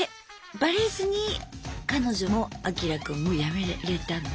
バレずに彼女もアキラ君も辞めれたの？